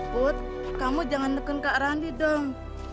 put kamu jangan nekun kak randi dong